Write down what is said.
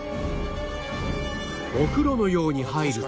お風呂のように入ると